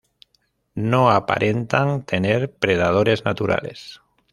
No aparentan tener predadores naturales.